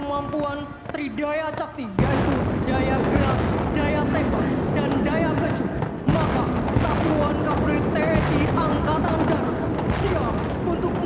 milkor infantri tni angkatan darat